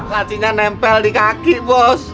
latinya nempel di kaki bos